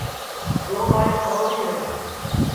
یو ٻائیر کھروڑِی ہے